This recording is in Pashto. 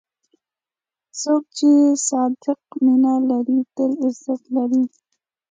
څوک چې صادق مینه لري، تل عزت لري.